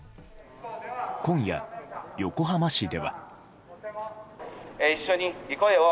今夜、横浜市では。